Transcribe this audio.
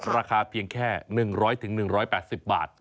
ราคาเพียงแค่๑๐๐๑๘๐บาท